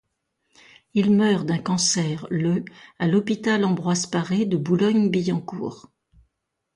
Il meurt d'un cancer le à l'hôpital Ambroise-Paré de Boulogne-Billancourt.